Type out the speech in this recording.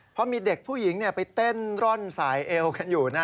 เพราะมีเด็กผู้หญิงไปเต้นร่อนสายเอวกันอยู่นะ